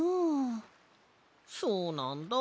そうなんだ。